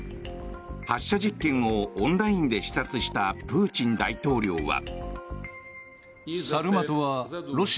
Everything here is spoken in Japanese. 発射実験をオンラインで視察したプーチン大統領は。